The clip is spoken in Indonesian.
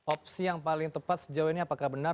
opsi yang paling tepat sejauh ini apakah benar